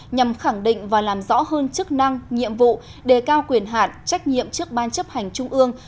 nhằm khẳng định và làm rõ hơn chức năng nhiệm vụ đề cao quyền hạn trách nhiệm trước ban chấp hành trung ương